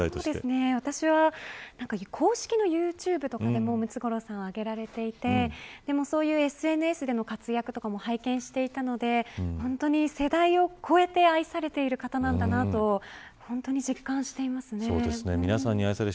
私は公式のユーチューブとかでムツゴロウさんはあげられていてＳＮＳでの活躍とかも拝見していたので本当に世代を超えて愛されている方なんだなと皆さんに愛されて